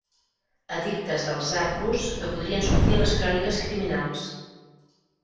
Edictes del tsar rus que podrien sortir a les cròniques criminals.